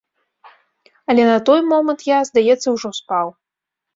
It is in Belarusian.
Але на той момант я, здаецца, ужо спаў.